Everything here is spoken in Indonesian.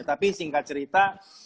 tapi singkat cerita